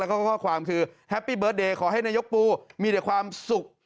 แล้วก็ข้อความคือแฮปปี้เบิร์ตเดย์ขอให้นายกปูมีแต่ความสุข